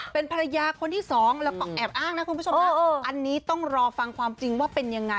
เป็นภรรยาคนที่สองแล้วก็แอบอ้างนะคุณผู้ชมนะอันนี้ต้องรอฟังความจริงว่าเป็นยังไง